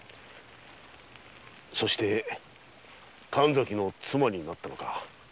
そして神崎の妻になったのか。